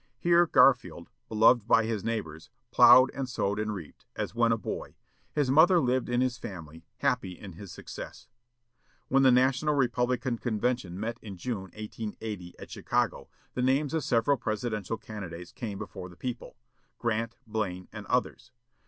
Here Garfield, beloved by his neighbors, ploughed and sewed and reaped, as when a boy. His mother lived in his family, happy in his success. When the national Republican convention met in June, 1880, at Chicago, the names of several presidential candidates came before the people, Grant, Blaine, and others.